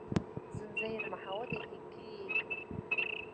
Зынӡа ирмаҳауазар иаҳагьы еиӷьын.